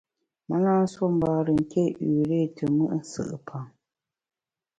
Me na nsuo mbare nké üré te mùt nsù’pam.